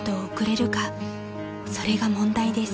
［それが問題です］